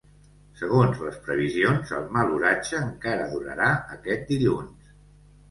Segons les previsions, el mal oratge encara durarà aquest dilluns.